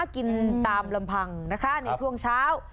กินตามลำพังนะคะในช่วงเช้า